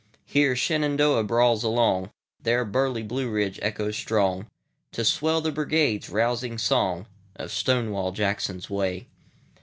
Here Shenandoah brawls along, There burly Blue Ridge echoes strong, To swell the Brigade's rousing song, Of Stonewall Jackson's Way.